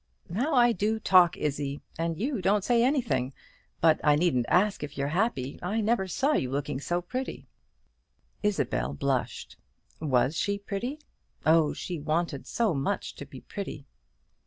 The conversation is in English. How I do talk, Izzie, and you don't say anything! But I needn't ask if you're happy. I never saw you looking so pretty." Isabel blushed. Was she pretty? Oh, she wanted so much to be pretty!